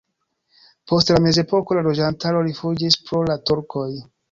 Post la mezepoko la loĝantaro rifuĝis pro la turkoj.